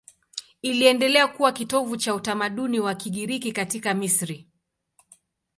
Iliendelea kuwa kitovu cha utamaduni wa Kigiriki katika Misri.